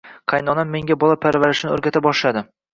Qaynonam menga bola parvarishini o`rgata boshladi